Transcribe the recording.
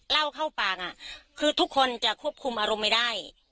เล่าเข้าปากคือทุกคนจะควบคุมอารมณ์ไม่ได้